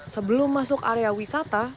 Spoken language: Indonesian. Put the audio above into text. sebelum masuk area wisata